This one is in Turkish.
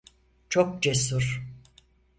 Çok cesur.